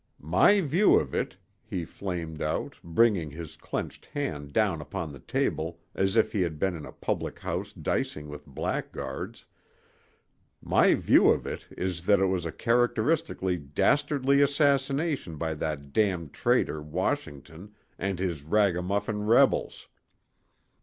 "My view of it," he flamed out, bringing his clenched hand down upon the table as if he had been in a public house dicing with blackguards—"my view of it is that it was a characteristically dastardly assassination by that damned traitor, Washington, and his ragamuffin rebels!"